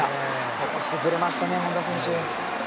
ともしてくれましたね本多選手。